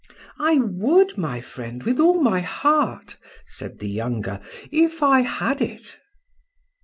—I would friend, with all my heart, said the younger, if I had it.